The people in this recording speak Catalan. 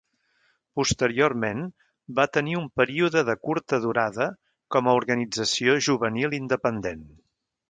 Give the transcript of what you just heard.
Posteriorment va tenir un període de curta durada com a organització juvenil independent.